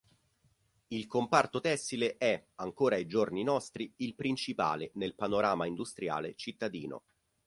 Il comparto tessile è, ancora ai giorni nostri, il principale nel panorama industriale cittadino.